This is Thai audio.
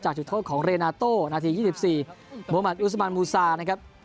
จากจุดโทษของเรนาโตนาทียี่สิบสี่มหมาตรอุสมันมูซานะครับ